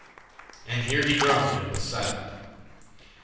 And here he groaned and was silent.